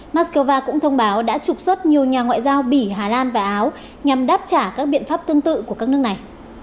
moscow cũng thông báo đã trục xuất nhiều nhà ngoại giao bỉ hà lan và áo nhằm đáp trả các biện pháp tương tự của các nước này